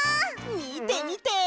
みてみて！